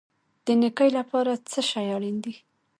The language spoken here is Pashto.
د نیکۍ لپاره څه شی اړین دی؟